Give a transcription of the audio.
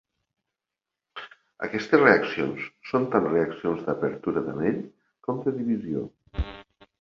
Aquestes reaccions són tant reaccions d'apertura d'anell com de divisió.